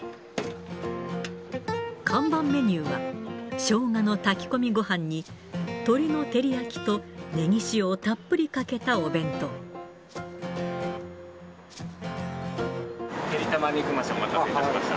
看板メニューは、しょうがの炊き込みごはんに、鶏の照り焼きと、ねぎ塩をたっぷてりたま肉増し、お待たせいたしました。